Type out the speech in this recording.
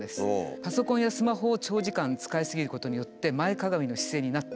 パソコンやスマホを長時間使いすぎることによって前かがみの姿勢になってしまう。